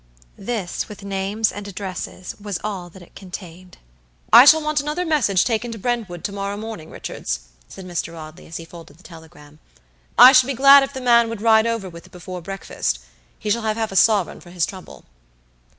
This with names and addresses, was all that it contained. "I shall want another message taken to Brentwood to morrow morning, Richards," said Mr. Audley, as he folded the telegram. "I should be glad if the man would ride over with it before breakfast. He shall have half a sovereign for his trouble."